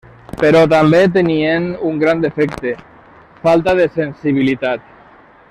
Però també tenien un gran defecte: falta de sensibilitat.